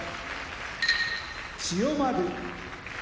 千代丸